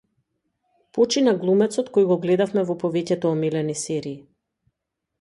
Почина глумецот кој го гледавме во повеќето омилени серии